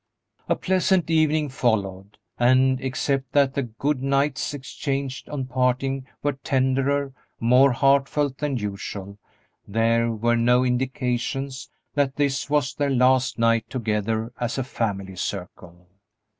A pleasant evening followed, and, except that the "good nights" exchanged on parting were tenderer, more heartfelt than usual, there were no indications that this was their last night together as a family circle.